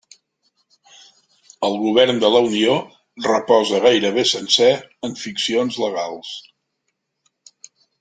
El govern de la Unió reposa gairebé sencer en ficcions legals.